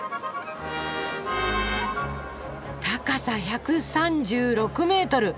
高さ１３６メートル